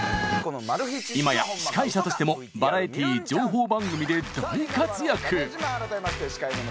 今や司会者としてもバラエティー情報番組で大活躍。